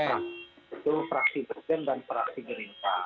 itu fraksi bergen dan fraksi gerinta